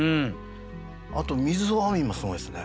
あと「水を編み」もすごいですね。